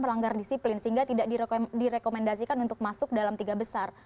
melanggar disiplin sehingga tidak direkomendasikan untuk masuk dalam tiga besar